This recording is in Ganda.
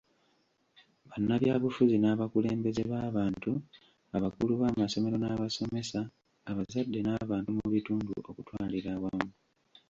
Bannabyabufuzi n'abakulembeze b'abantu, abakulu b'amasomero n'abasomesa, abazadde n'abantu mu bitundu okutwalira awamu.